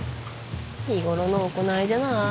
日頃の行いじゃない？